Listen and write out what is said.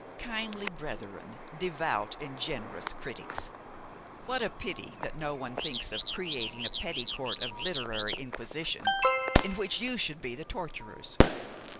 Kindly brethren, devout and generous critics! What a pity that no one thinks of creating a petty court of literary inquisition in which you should be the torturers!